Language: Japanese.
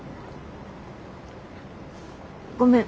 ごめん。